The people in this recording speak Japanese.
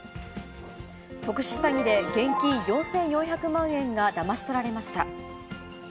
特殊詐欺で現金４４００万円がだまし取られました。